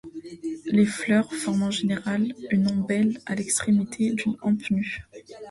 Les fleurs forment en général une ombelle à l'extrémité d'une hampe nue.